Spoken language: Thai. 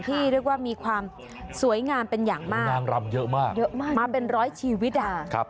ที่เรียกว่ามีความสวยงามเป็นอย่างมากนางรำเยอะมากเยอะมากมาเป็นร้อยชีวิตอ่ะ